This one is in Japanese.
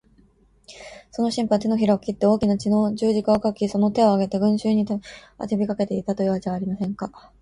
その神父は、てのひらを切って大きな血の十字架を書き、その手を上げて、群集に呼びかけていた、というじゃありませんか。